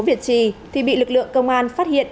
việt trì thì bị lực lượng công an phát hiện